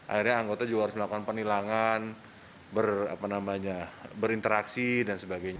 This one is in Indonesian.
akhirnya anggota juga harus melakukan penilangan berinteraksi dan sebagainya